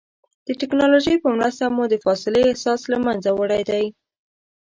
د ټکنالوجۍ په مرسته مو د فاصلې احساس له منځه وړی دی.